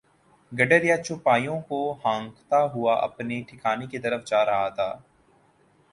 گڈریا چوپایوں کو ہانکتا ہوا اپنے ٹھکانے کی طرف جا رہا تھا۔